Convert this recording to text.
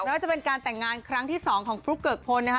ว่าจะเป็นการแต่งงานครั้งที่๒ของฟลุ๊กเกิกพลนะคะ